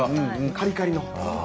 カリカリの。